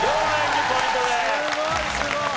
すごいすごい！